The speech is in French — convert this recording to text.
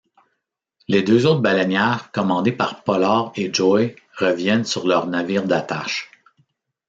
Les deux autres baleinières commandées par Pollard et Joy reviennent sur leur navire d'attache.